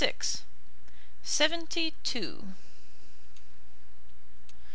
SEVENTY TWO.